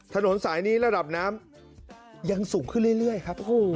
ถนนสายนี้ระดับน้ำยังสูงขึ้นเรื่อยครับ